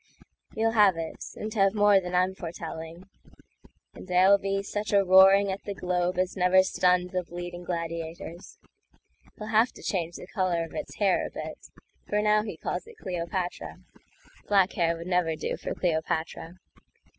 You'll have it, and have more than I'm foretelling; And there'll be such a roaring at the GlobeAs never stunned the bleeding gladiators. He'll have to change the color of its hairA bit, for now he calls it Cleopatra.Black hair would never do for Cleopatra.